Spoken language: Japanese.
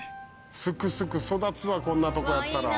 すくすく育つわこんなとこやったら。